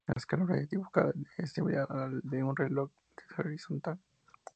La escala horaria dibujada es similar a la de un reloj de Sol horizontal.